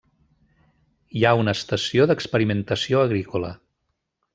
Hi ha una estació d'experimentació agrícola.